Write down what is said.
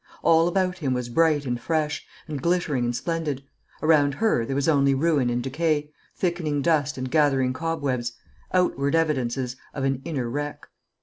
All about him was bright and fresh, and glittering and splendid; around her there was only ruin and decay, thickening dust and gathering cobwebs, outward evidences of an inner wreck.